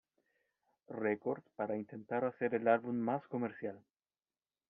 Records para intentar hacer el álbum más comercial.